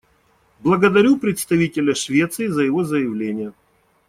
Благодарю представителя Швеции за его заявление.